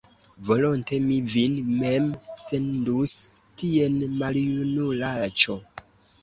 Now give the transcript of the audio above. Volonte mi vin mem sendus tien, maljunulaĉo!